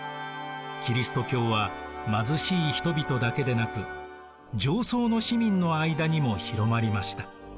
キリスト教は貧しい人々だけでなく上層の市民の間にも広まりました。